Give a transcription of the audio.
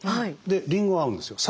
でりんご合うんですよ。